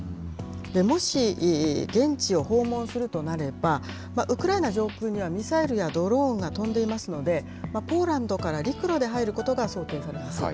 もし、現地を訪問するとなれば、ウクライナ上空にはミサイルやドローンが飛んでいますので、ポーランドから陸路で入ることが想定されます。